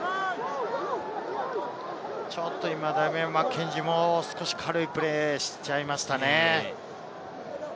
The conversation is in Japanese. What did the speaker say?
ちょっと今、ダミアン・マッケンジーも少し軽いプレーをしちゃいましたね。